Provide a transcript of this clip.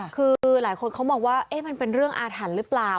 คือหลายคนเขามองว่ามันเป็นเรื่องอาถรรพ์หรือเปล่า